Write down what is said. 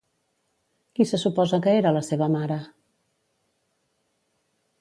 Qui se suposa que era la seva mare?